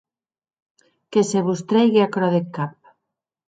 Que se vos trèigue aquerò deth cap.